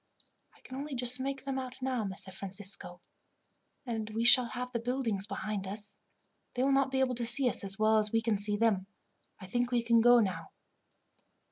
"I can only just make them out now, Messer Francisco, and as we shall have the buildings behind us, they will not be able to see us as well as we can see them. I think we can go now."